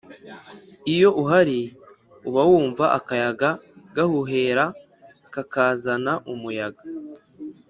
Iyo uhari uba wumva akayaga gahuhera kakazana umuyaga